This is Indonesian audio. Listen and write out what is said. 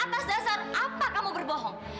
atas dasar apa kamu berbohong